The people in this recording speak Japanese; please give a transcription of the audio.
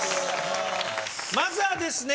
まずはですね